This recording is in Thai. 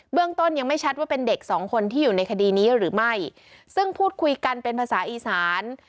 ต้นยังไม่ชัดว่าเป็นเด็กสองคนที่อยู่ในคดีนี้หรือไม่ซึ่งพูดคุยกันเป็นภาษาอีสาน